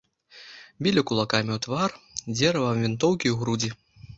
Білі кулакамі ў твар, дзеравам вінтоўкі ў грудзі.